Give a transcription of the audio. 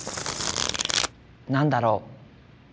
何だろう？